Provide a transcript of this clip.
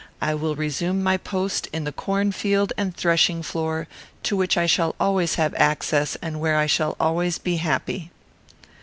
I will resume my post in the cornfield and threshing floor, to which I shall always have access, and where I shall always be happy."